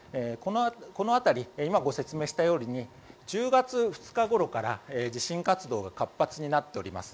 この辺り、今ご説明したとおりに１０月２日ごろから地震活動が活発になっております。